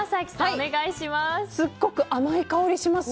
お願いします。